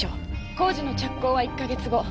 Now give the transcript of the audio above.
工事の着工は１カ月後。